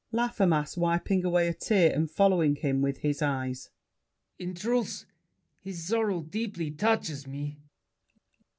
LAFFEMAS (wiping away a tear and following him with his eyes). In truth, his sorrow deeply touches me.